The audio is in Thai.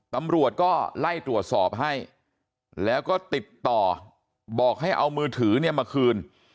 ตำรวจก็ไล่ตรวจสอบให้แล้วก็ติดต่อบอกให้เอามือถือเนี่ยมาคืน